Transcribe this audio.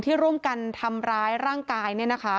ที่ร่วมกันทำร้ายร่างกายเนี่ยนะคะ